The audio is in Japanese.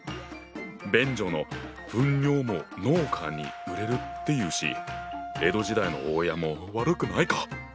便所の糞尿も農家に売れるっていうし江戸時代の大家も悪くないか！